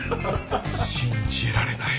信じられない。